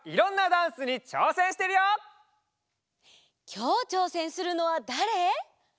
きょうちょうせんするのはだれ？